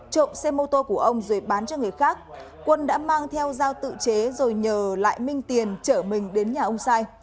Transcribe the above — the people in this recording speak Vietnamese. trộm xe mô tô của ông rồi bán cho người khác quân đã mang theo dao tự chế rồi nhờ lại minh tiền trở mình đến nhà ông sai